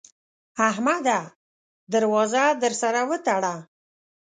احمده! در وازه در سره وتړه.